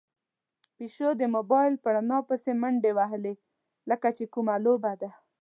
پيشو د موبايل په رڼا پسې منډې وهلې، لکه چې کومه لوبه ده.